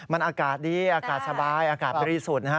มันอากาศดีอากาศสบายอากาศบริสุทธิ์นะฮะ